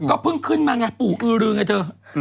ก็เพิ่งขึ้นมาไงปู่อือรือไงเธอ